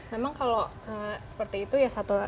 memang kalau seperti itu ya satu